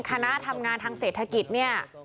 คณะทำงานทางเศรษฐกิจเนี่ย